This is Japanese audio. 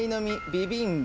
ビビンバ。